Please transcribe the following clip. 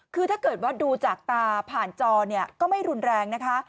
คือถ้าเกิดว่าดูจากตาผ่านจอเนี่ยก็ไม่รุนแรงนะคะ